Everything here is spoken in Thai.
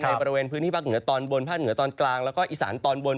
บริเวณพื้นที่ภาคเหนือตอนบนภาคเหนือตอนกลางแล้วก็อีสานตอนบน